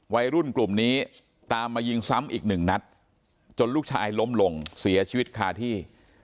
วัยรุ่นกลุ่มนี้ตามมายิงซ้ำอีกหนึ่งนัดจนลูกชายล้มลงเสียชีวิตคาที่